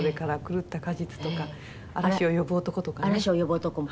「『嵐を呼ぶ男』も？